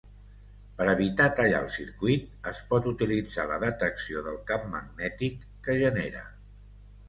Per evitar tallar el circuit, es pot utilitzar la detecció del camp magnètic que genera.